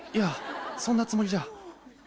・そんなつもりじゃ。